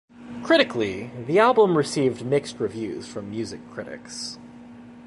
Critically, the album received mixed reviews from music critics.